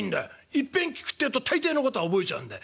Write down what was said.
いっぺん聞くってえと大抵のことは覚えちゃうんだよ。